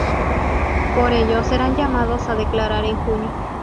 Por ello serán llamados a declarar en junio.